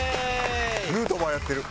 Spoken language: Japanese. ヌートバーやってる。